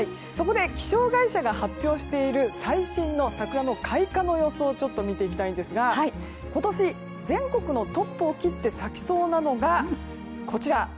そこで気象会社が発表している最新の桜の開花予想を見ていきたいんですが今年全国のトップを切って咲きそうなのがこちら。